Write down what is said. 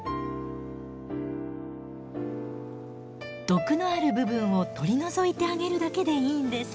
毒のある部分を取り除いてあげるだけでいいんです。